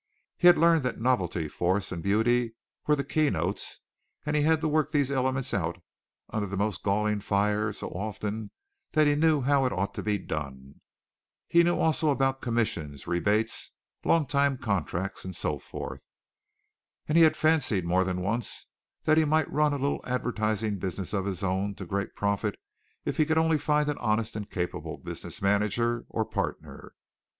He had learned that novelty, force and beauty were the keynotes and he had to work these elements out under the most galling fire so often that he knew how it ought to be done. He knew also about commissions, rebates, long time contracts, and so forth. He had fancied more than once that he might run a little advertising business of his own to great profit if he only could find an honest and capable business manager or partner.